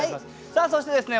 さあそしてですね